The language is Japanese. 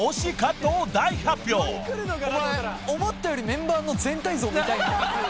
お前思ったよりメンバーの全体像見たいんだ。